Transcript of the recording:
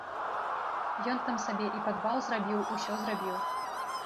Ён там сабе і падвал зрабіў, усё зрабіў!